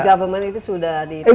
jadi government itu sudah diterapkan